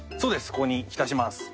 ここに浸します。